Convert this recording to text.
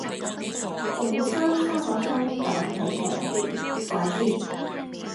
早餐差個雙蛋喺上面，快啲